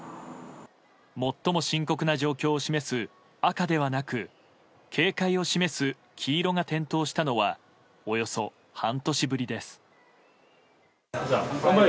最も深刻な状況を示す赤ではなく警戒を示す黄色が点灯したのはおよそ半年ぶりです。